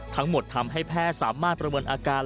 ทำให้แพทย์สามารถประเมินอาการ